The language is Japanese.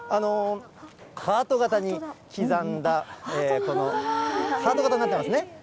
ハート形に刻んだ、この、ハート形になっていますね。